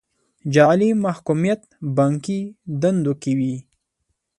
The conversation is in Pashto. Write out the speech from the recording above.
جعلي محکوميت بانکي دندو کې وي.